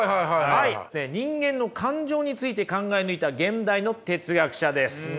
人間の感情について考え抜いた現代の哲学者です。